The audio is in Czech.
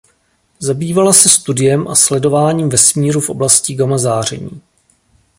Zabývala se studiem a sledováním vesmíru v oblasti gama záření.